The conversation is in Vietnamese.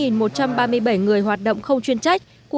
một trăm ba mươi bảy người hoạt động không chuyên trách